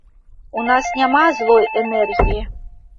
У нас няма злой энергіі.